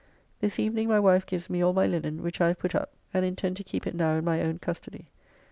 This evening my wife gives me all my linen, which I have put up, and intend to keep it now in my own custody.